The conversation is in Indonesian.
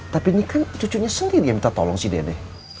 tapi ini kan cucunya sendiri yang minta tolong si dede